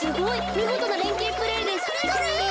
みごとなれんけいプレーです。